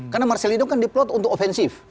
karena marcelino kan di plot untuk offensif